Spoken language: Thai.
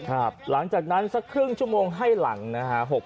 หลังจากนั้นสักครึ่งชั่วโมงให้หลังนะฮะ